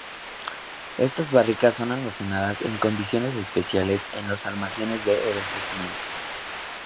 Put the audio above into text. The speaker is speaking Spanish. Estas barricas son almacenadas en condiciones especiales en los almacenes de envejecimiento.